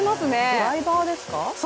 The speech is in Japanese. ドライバーですか？